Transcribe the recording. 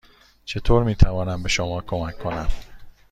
چطور می توانم به شما کمک کنم؟